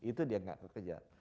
itu dia gak kekejar